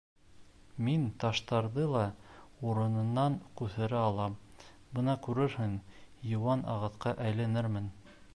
Мин таштарҙы ла урынынан күсерә алам, бына күрерһең, йыуан ағасҡа әйләнермен.